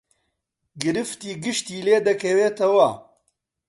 گرفتی گشتی لێ دەکەوێتەوە